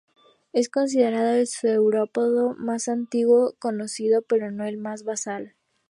Es considerado el saurópodo más antiguo conocido, pero no es el más basal.